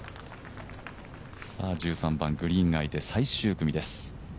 １３番、グリーンがあいて最終組です。